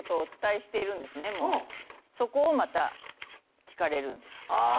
そこをまた聞かれるんですよあ！